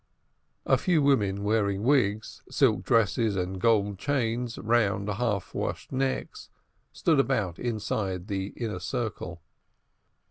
A few women wearing wigs, silk dresses, and gold chains wound round half washed necks, stood about outside the inner circle.